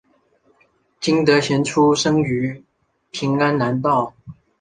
金德贤出生于平安南道。